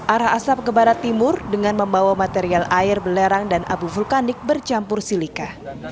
arah asap ke barat timur dengan membawa material air belerang dan abu vulkanik bercampur silika